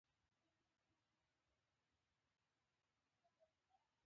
• یو صادق سړی تل د حق پلوی وي.